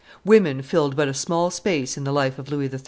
Women filled but a small space in the life of Louis XIII.